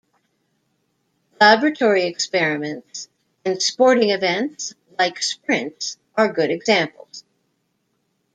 Laboratory experiments and sporting events like sprints are good examples.